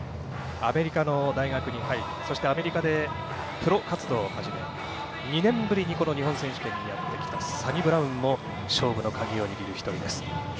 アメリカの大学に入りそしてアメリカでプロ活動を始め２年ぶりにこの日本選手権にやってきたサニブラウンも勝負の鍵を握る１人です。